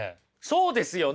そうですよね。